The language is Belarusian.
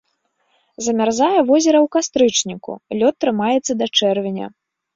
Замярзае возера ў кастрычніку, лёд трымаецца да чэрвеня.